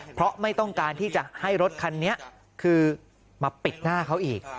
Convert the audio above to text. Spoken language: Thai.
เพราะไม่ต้องการที่จะให้รถคันนี้คือมาปิดหน้าเขาอีก